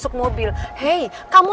kamu lagi kacau